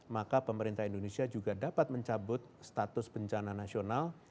maka pemerintah indonesia juga dapat mencabut status bencana nasional